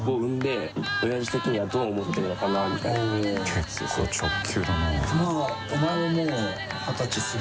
結構直球だな。